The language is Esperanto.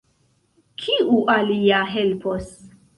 Kiu alia helpos?